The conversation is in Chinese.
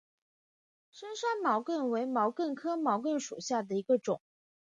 深山毛茛为毛茛科毛茛属下的一个种。